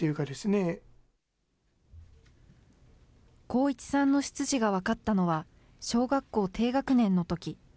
航一さんの出自が分かったのは、小学校低学年のとき。